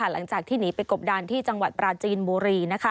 หลังจากที่หนีไปกบดานที่จังหวัดปราจีนบุรี